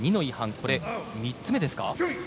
これ、３つ目ですか。